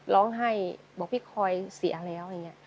ร้องไห้บอกพี่คอยเสียแล้วอย่างนี้